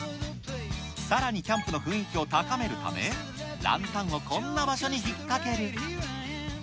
さらに、キャンプの雰囲気を高めるため、ランタンをこんな場所に引っ掛ける。